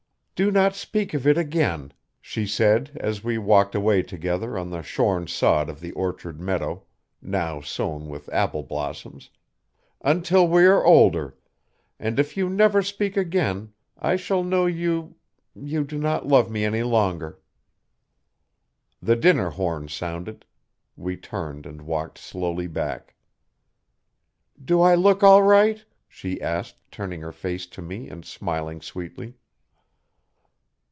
'Do not speak of it again,' she said, as we walked away together on the shorn sod of the orchard meadow, now sown with apple blossoms, 'until we are older, and, if you never speak again, I shall know you you do not love me any longer.' The dinner horn sounded. We turned and walked slowly back 'Do I look all right?' she asked, turning her face to me and smiling sweetly.